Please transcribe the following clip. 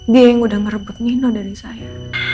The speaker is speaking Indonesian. dia yang udah merebut mino dari saya